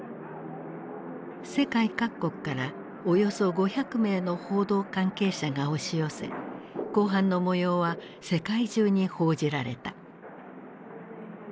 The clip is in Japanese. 世界各国からおよそ５００名の報道関係者が押し寄せ公判の模様は世界中に報じられた。